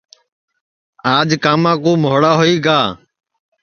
آج کاما کُو مھوڑا ہوئی گا